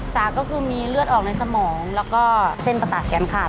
จากก็คือมีเลือดออกในสมองแล้วก็เส้นประสาทแขนขาด